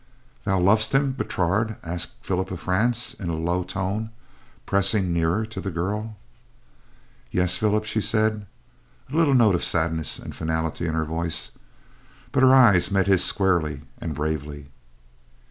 "Thou lov'st him, Bertrade?" asked Philip of France in a low tone, pressing nearer to the girl. "Yes, Philip," she said, a little note of sadness and finality in her voice; but her eyes met his squarely and bravely.